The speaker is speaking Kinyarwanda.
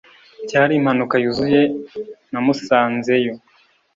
Byari impanuka yuzuye namusanzeyo.